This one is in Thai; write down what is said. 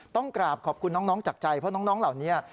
ต้องกราบขอบคุณน้องจากใจเพราะน้องเหล่านี้